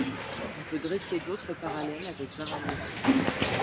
On peut dresser d'autres parallèles avec Varanasi.